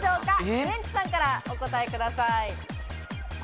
ウエンツさんからお答えください。